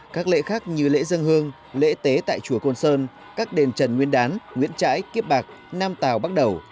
các lễ khác như lễ dân hương lễ tế tại chùa côn sơn các đền trần nguyên đán nguyễn trãi kiếp bạc nam tào bắc đầu